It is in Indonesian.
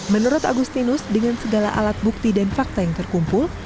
menurut agustinus dengan segala alat bukti dan fakta yang terkumpul